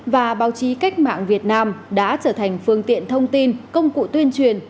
và báo chí cách mạng việt nam đã trở thành phương tiện thông tin công cụ tuyên truyền